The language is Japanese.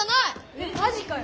えっマジかよ。